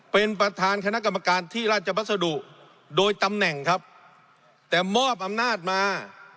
เป็นประธานคณะกรรมการที่ราชบัสดุโดยตำแหน่งครับแต่มอบอำนาจมา